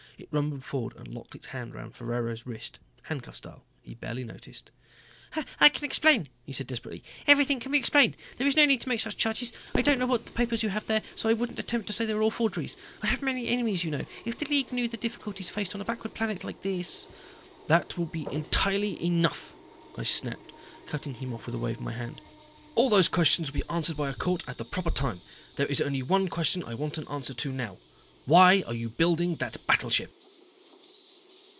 It rumbled forward and locked its hand around Ferraro's wrist, handcuff style. He barely noticed. "I can explain," he said desperately. "Everything can be explained. There is no need to make such charges. I don't know what papers you have there, so I wouldn't attempt to say they are all forgeries. I have many enemies you know. If the League knew the difficulties faced on a backward planet like this...." "That will be entirely enough," I snapped, cutting him off with a wave of my hand. "All those questions will be answered by a court at the proper time. There is only one question I want an answer to now. Why are you building that battleship?"